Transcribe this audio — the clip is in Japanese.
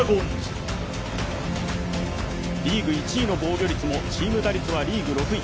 リーグ１位の防御率もチーム打率がリーグ６位。